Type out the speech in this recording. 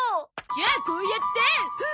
じゃあこうやってフ！